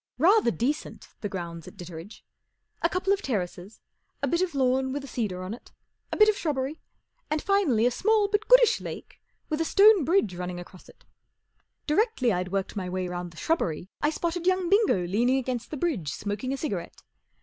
Rather decent, the grounds at Ditteredge. A couple of terraces, a bit of lawn with a cedar on it, a bit of shrubbery, and finally a small but goodish lake with a stone bridge running across it. Directly I'd worked my way round the shrubbery I spotted young Bingo leaning against the bridge smoking a cigarette.